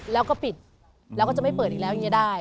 แล้วก็ปิดแล้วก็จะไม่เปิดอีกแล้วอย่างนี้ได้